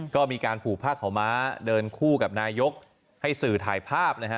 ก็มีการผูกผ้าขาวม้าเดินคู่กับนายกให้สื่อถ่ายภาพนะฮะ